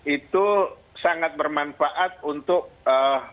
itu sangat bermanfaat untuk ee